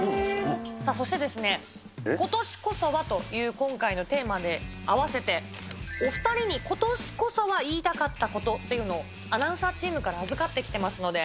そして、ことしこそはという今回のテーマで合わせて、お２人にことしこそは言いたかったことっていうのを、アナウンサーチームから預かってきてますので。